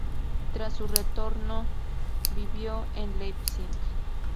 Tras su retornó vivió en Leipzig.